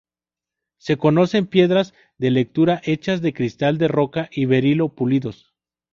Se conocen piedras de lectura hechas de cristal de roca y berilo pulidos.